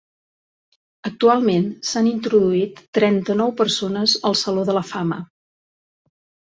Actualment s'han introduït trenta-nou persones al Saló de la Fama.